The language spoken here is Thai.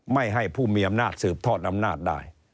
ไม่ให้ผู้มีอำนาจสืบทอดอำนาจได้